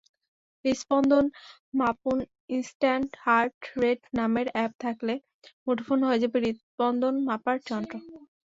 হৃৎস্পন্দন মাপুনইনস্ট্যান্ট heart rate নামের app থাকলে মুঠোফোন হয়ে যাবে হৃৎস্পন্দন মাপার যন্ত্র।